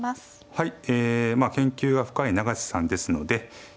はい。